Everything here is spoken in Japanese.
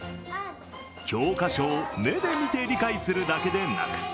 教科書を目で見て理解するだけでなく。